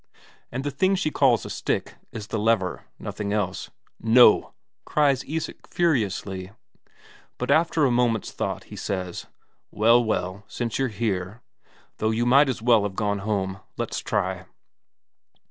And the thing she calls a stick is the lever, nothing else. "No!" cries Isak furiously. But after a moment's thought he says: "Well, well, since you're here though you might as well have gone home. Let's try."